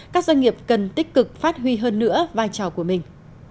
các doanh nghiệp cần tích cực phát huy hơn nữa vai trò của mình